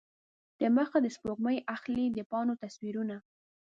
دمخه د سپوږمۍ اخلي د پاڼو تصویرونه